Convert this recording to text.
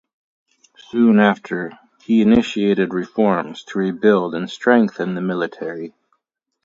Soon after, he initiated reforms to rebuild and strengthen the military.